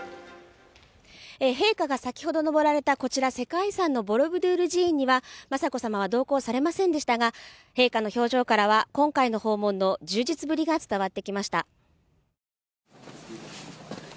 陛下が先ほど上られたこちら、世界遺産のボロブドゥール寺院には雅子さまは同行されませんでしたが、陛下の表情からは今回の訪問の充実ぶりが伝わってきました。